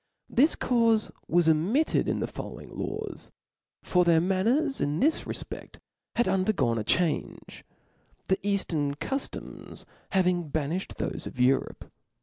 This caufe was omitted in the following laws {^) :{^)\tk for their manners, in this refpedl, had undergone ^°j^'"^* a change ; the eaftern cuftoms having banifhed thofe of Europe.